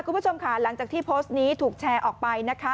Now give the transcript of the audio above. คุณผู้ชมค่ะหลังจากที่โพสต์นี้ถูกแชร์ออกไปนะคะ